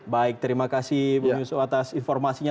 baik terima kasih bung yusuf atas informasinya